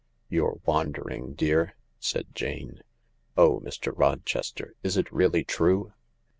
" You're wandering, dear," said Jane. " Oh, Mr, Roches ter, is it really true